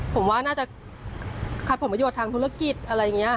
ผมว่าน่าจะขัดผลประโยชน์ทางธุรกิจอะไรอย่างนี้